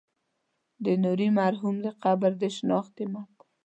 د نوري مرحوم د قبر د شنختې متن.